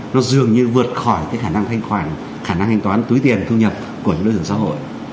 nó dường như vượt khỏi cái khả năng thanh toán túi tiền thu nhập của những đối tượng xã hội